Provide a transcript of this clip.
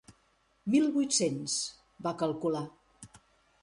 Mil vuit-cents, va calcular.